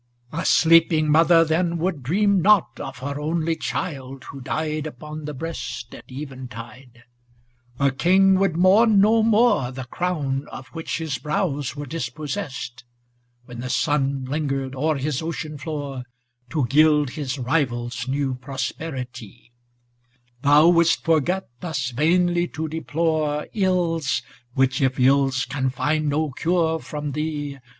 320 A sleeping mother then would dream not of * Her only child who died upon the breast At eventide; a king would mourn no more The crown of which his brows were dispos sessed * When the sun lingered o'er his ocean floor To gild his rival's new prosperity; Thou wouldst forget thus vainly to deplore * Ills, which, if ills, can find no cure from thee.